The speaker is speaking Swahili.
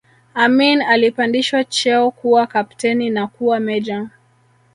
Amin alipandishwa cheo kuwa kapteni na kuwa meja